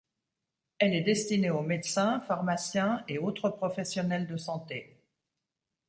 Elle est destinée aux médecins, pharmaciens et autres professionnels de santé.